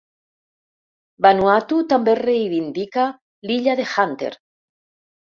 Vanuatu també reivindica l'illa de Hunter.